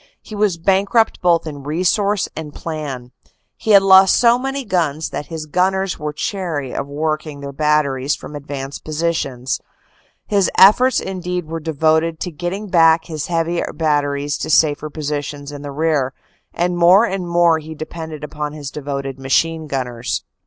He was bankrupt both in resources and plan; he had lost so many guns that his gunners were chary of working their batteries from advanced positions; his efforts indeed were de voted to getting back his heavy batteries to safer positions in the rear, and more and more he depended upon his devoted machine gunners.